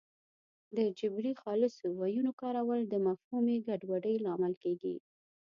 د جبري خالصو ویونو کارول د مفهومي ګډوډۍ لامل کېږي